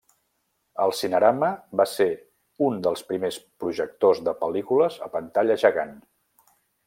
El Cinerama va ser un dels primers projectors de pel·lícules a pantalla gegant.